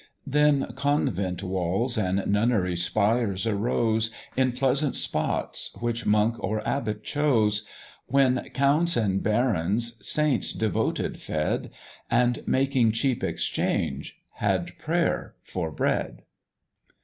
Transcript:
"Then convent walls and nunnery spires arose, In pleasant spots which monk or abbot chose; When counts and barons saints devoted fed, And making cheap exchange, had pray'r for bread.